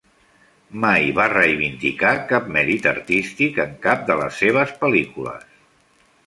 Mai va reivindicar cap mèrit artístic en cap de les seves pel·lícules.